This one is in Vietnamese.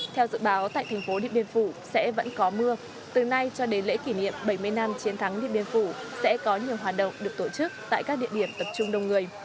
theo dự báo tại thành phố điện biên phủ sẽ vẫn có mưa từ nay cho đến lễ kỷ niệm bảy mươi năm chiến thắng điện biên phủ sẽ có nhiều hoạt động được tổ chức tại các địa điểm tập trung đông người